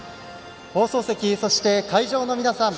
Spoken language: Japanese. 放送席、そして会場の皆さん。